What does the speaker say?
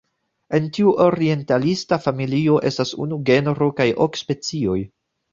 En tiu orientalisa familio estas unu genro kaj ok specioj.